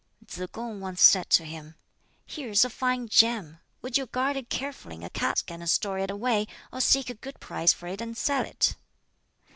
Tsz kung once said to him, "Here is a fine gem. Would you guard it carefully in a casket and store it away, or seek a good price for it and sell it?"